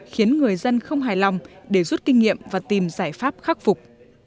khiến người dân không hài lòng để rút kinh nghiệm và tìm giải pháp khắc phục